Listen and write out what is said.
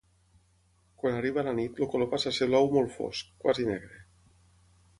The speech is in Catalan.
Quan arriba la nit el color passa a ser blau molt fosc, quasi negre.